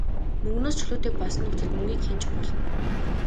Мөнгөнөөс чөлөөтэй болсон нөхцөлд мөнгийг хянаж болно.